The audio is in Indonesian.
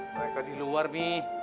mereka di luar mi